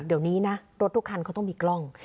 เดี๋ยวนี้นะรถทุกคันเขาต้องมีกล้อง